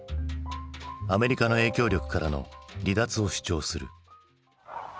アメリカの影響力からの離脱を主張する。